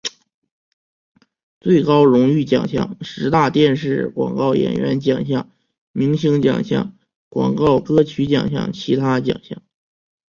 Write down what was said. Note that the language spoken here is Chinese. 最高荣誉奖项十大电视广告演员奖项明星奖项广告歌曲奖项其他奖项